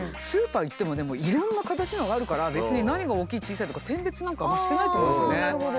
スーパー行ってもねいろんな形のがあるから別に何が大きい小さいとか選別なんかあんまりしてないと思うんですよね。